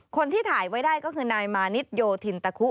คนที่ถ่ายไว้ได้ก็คือนายมานิดโยธินตะคุ